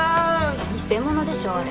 偽物でしょあれ。